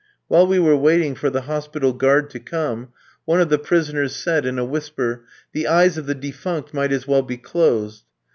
While we were waiting for the hospital guard to come, one of the prisoners said in a whisper, "The eyes of the defunct might as well be closed."